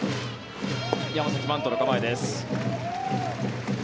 山崎、バントの構えです。